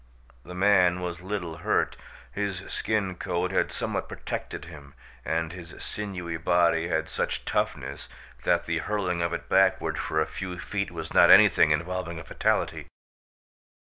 The man was little hurt. His skin coat had somewhat protected him and his sinewy body had such toughness that the hurling of it backward for a few feet was not anything involving a fatality.